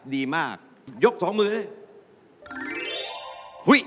ดีมากยก๒มือเลย